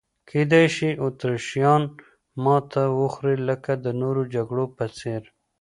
کېدای شي اتریشیان ماته وخوري لکه د نورو جګړو په څېر.